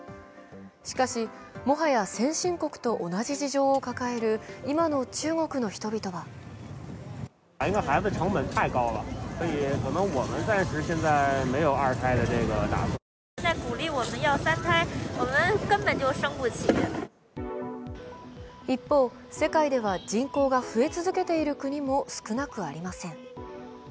しかし、もはや先進国と同じ事情を抱える今の中国の人々は一方、世界では人口が増え続けている国も少なくありません。